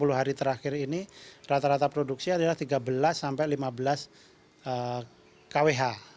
sepuluh hari terakhir ini rata rata produksi adalah tiga belas sampai lima belas kwh